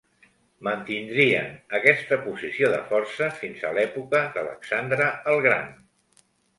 Mantindrien aquesta posició de força fins a l'època d'Alexandre el Gran.